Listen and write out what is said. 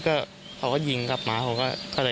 เขาก็หยิงกับหมาขวเขาก็ใจ